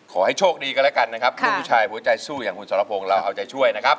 ขอให้โชคดีกันแล้วกันนะครับลูกผู้ชายหัวใจสู้อย่างคุณสรพงศ์เราเอาใจช่วยนะครับ